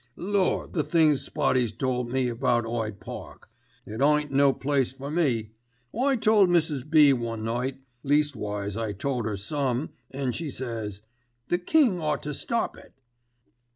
"Lord, the things Spotty's told me about Hyde Park. It ain't no place for me. I told Mrs. B. one night, leastwise I told 'er some, an' she says, 'The King ought to stop it.